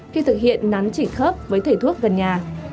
khi thực hiện nắn trị khớp với thầy thuốc gần nhà